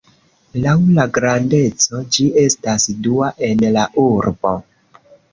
Laŭ la grandeco, ĝi estas dua en la urbo.